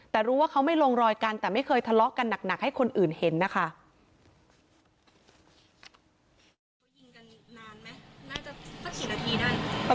แต่รู้ว่าเขาไม่ลงรอยกันแต่ไม่เคยทะเลาะกันหนักให้คนอื่นเห็นนะคะ